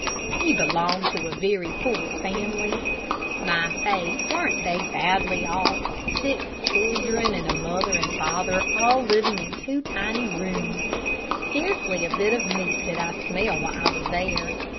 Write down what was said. He belonged to a very poor family. My faith, weren't they badly off six children, and a mother and father, all living in two tiny rooms. Scarcely a bit of meat did I smell while I was there.